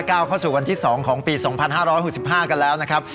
ก้าวเข้าสู่วันที่สองของปีสองพันห้าร้อยหกสิบห้ากันแล้วนะครับ